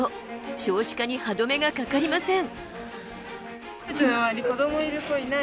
少子化に歯止めがかかりません。